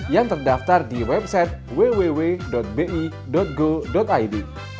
yang terdaftar di website www bi go id